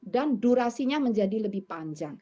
dan durasinya menjadi lebih panjang